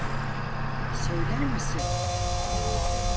Söyler misin?